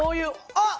あっ。